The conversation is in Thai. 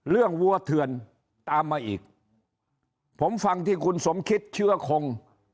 เรื่องวัวเถิญตามมาอีกผมฟังที่คุณสมคิษชื่อคง